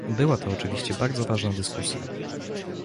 Była to oczywiście bardzo ważna dyskusja